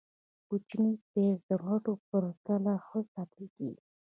- کوچني پیاز د غټو په پرتله ښه ساتل کېږي.